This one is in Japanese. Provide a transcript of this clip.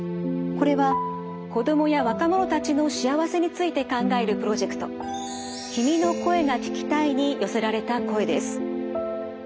これは子供や若者たちの幸せについて考えるプロジェクト「君の声が聴きたい」に寄せられた声です。